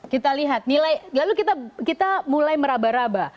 kita lihat nilai lalu kita mulai meraba raba